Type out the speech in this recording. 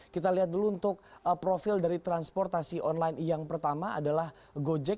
kita lihat dulu untuk profil dari transportasi online yang pertama adalah gojek